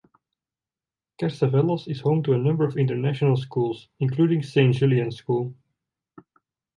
Carcavelos is home to a number of international schools including Saint Julian's School.